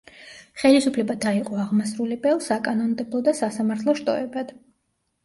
ხელისუფლება დაიყო აღმასრულებელ, საკანონმდებლო და სასამართლო შტოებად.